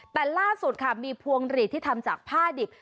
แต่ล่าสุดค่ะมีพวงหลีดที่ทำจากผ้าดิบ